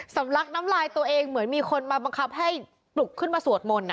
ลักน้ำลายตัวเองเหมือนมีคนมาบังคับให้ปลุกขึ้นมาสวดมนต์